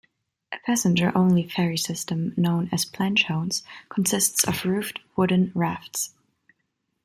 A passenger-only ferry system known as "Planchones", consists of roofed wooden rafts.